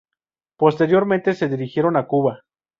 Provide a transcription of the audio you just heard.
Posteriormente se dirigieron a Cuba.